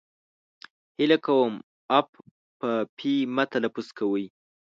هیله کوم اف په پي مه تلفظ کوی!